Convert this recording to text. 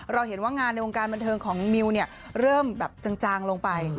เราเห็นว่างานในวงการบันเทิงของมิวเนี่ยเริ่มแบบจางลงไป